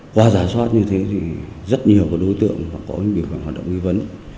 qua giả soát như thế thì rất nhiều đối tượng có biểu hiện hoạt động nghi vấn